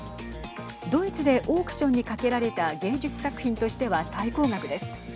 ドイツでオークションにかけられた芸術作品としては最高額です。